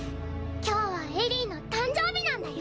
今日はエリィの誕生日なんだよ。